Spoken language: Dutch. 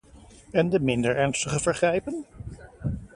En de minder ernstige vergrijpen?